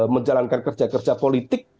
menjalankan kerja kerja politik